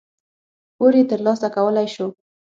پور یې ترلاسه کولای شو.